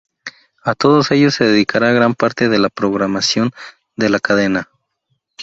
A todos ellos se dedicará gran parte de la programación de la cadena.